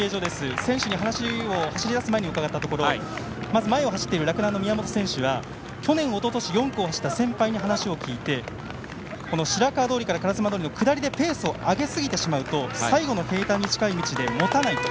選手に話を走り出す前に伺ったところ前を走っている洛南の宮本選手は去年おととし４区を走った先輩に話を聞いて白川通から烏丸通の下りでペースを上げすぎてしまうと最後の平たんに近い道でもたないと。